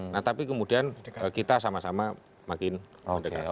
nah tapi kemudian kita sama sama makin mendekati